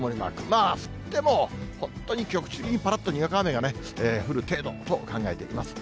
まあ、降っても、本当に局地的にぱらっとにわか雨がね、降る程度と考えています。